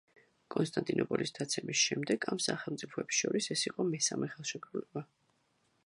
კონსტანტინოპოლის დაცემის შემდეგ ამ სახელმწიფოებს შორის ეს იყო მესამე ხელშეკრულება.